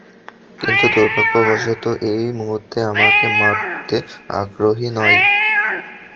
কিন্তু দুর্ভাগ্যবশত, এই মুহূর্তে নিজেকে মারতে আগ্রহী নই।